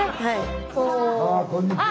あこんにちは。